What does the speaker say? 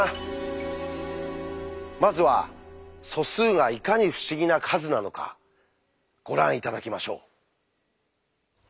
まずは素数がいかに不思議な数なのかご覧頂きましょう。